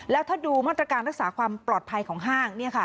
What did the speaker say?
แล้วถ้าดูมาตรการรักษาความปลอดภัยของห้าง